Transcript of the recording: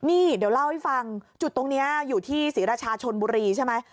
นี่เดี๋ยวเล่าให้ฟังจุดตรงนี้อยู่ที่ศรีราชาชนบุรีใช่ไหม